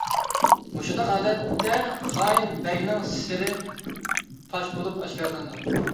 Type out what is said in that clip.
مۇشۇنداق ھالەتتە خائىن بەگنىڭ سىرى پاش بولۇپ ئاشكارىلىنىدۇ.